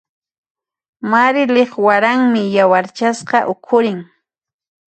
Marilyq waranmi yawarchasqa ukhurin.